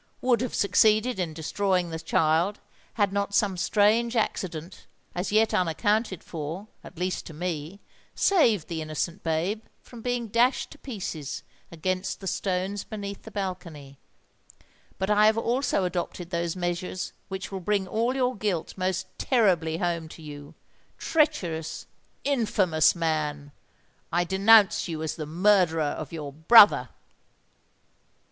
would have succeeded in destroying the child, had not some strange accident, as yet unaccounted for, at least to me, saved the innocent babe from being dashed to pieces against the stones beneath the balcony;—but I have also adopted those measures which will bring all your guilt most terribly home to you! Treacherous—infamous man, I denounce you as the murderer of your brother!"